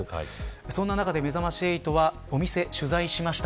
そんな中でめざまし８はお店を取材しました。